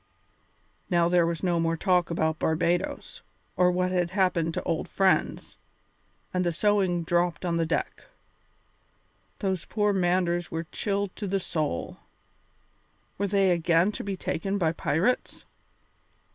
Now there was no more talk about Barbadoes, or what had happened to old friends, and the sewing dropped on the deck. Those poor Manders were chilled to the soul. Were they again to be taken by pirates?